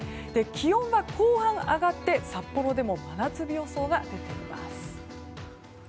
気温は後半上がって、札幌でも真夏日予想が出ています。